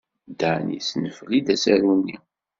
Dan yesnefli-d asaru-nni.